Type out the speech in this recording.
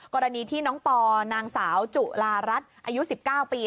กรณีที่น้องปอนางสาวจุลารัสอายุ๑๙ปี